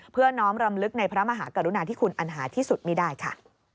น้อมรำลึกในพระมหากรุณาที่คุณอันหาที่สุดไม่ได้ค่ะ